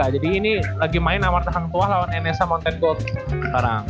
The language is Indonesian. jadi ini lagi main amartahang tua lawan enesa mountain gold sekarang